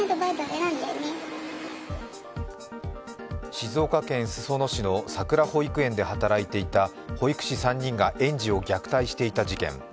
静岡県裾野市のさくら保育園で働いていた保育士３人が園児を虐待していた事件。